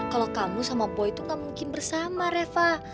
kalau kamu sama boy itu gak mungkin bersama reva